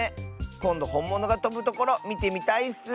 こんどほんものがとぶところみてみたいッス。